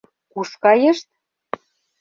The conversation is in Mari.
Куш кайышт?